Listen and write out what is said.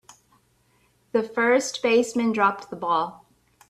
The first baseman dropped the ball.